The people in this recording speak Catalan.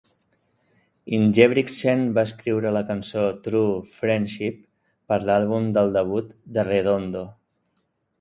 Ingebrigtsen va escriure la cançó "True Friendship" per l'àlbum del debut d'Arredondo.